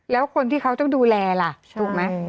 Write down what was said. แล้วคนที่เขาต้องดูแลล่ะถูกไหม